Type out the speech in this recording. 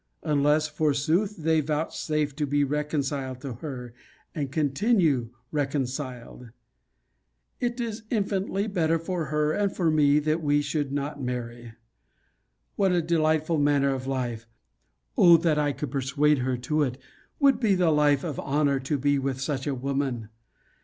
unless, forsooth, they vouchsafe to be reconciled to her, and continue reconciled! It is infinitely better for her and for me that we should not marry. What a delightful manner of life [O that I could persuade her to it!] would the life of honour be with such a woman!